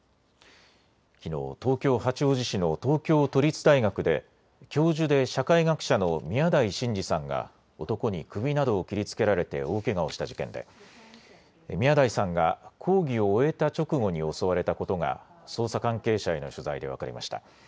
きのう、東京八王子市の東京都立大学で教授で社会学者の宮台真司さんが男に首などを切りつけられて大けがをした事件で宮台さんが講義を終えた直後に襲われたことが捜査関係者への取材で分かりました。